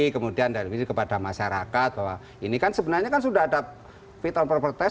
kemudian dari situ kepada masyarakat bahwa ini kan sebenarnya kan sudah ada vital properties